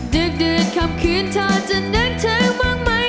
ดึกดื่นคำคืนเธอจะนึกถึงบ้างมั้ย